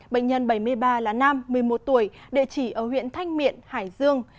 bệnh nhân bảy mươi ba là nam một mươi một tuổi địa chỉ ở huyện thanh miện hải dương